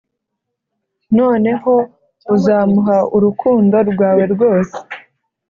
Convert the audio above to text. noneho uzamuha urukundo rwawe rwose,